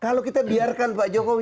kalau kita biarkan pak jokowi